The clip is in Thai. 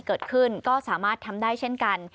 เกิดขึ้นก็สามารถทำได้เช่นกัน